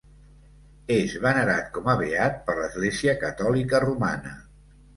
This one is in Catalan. És venerat com a beat per l'Església Catòlica Romana.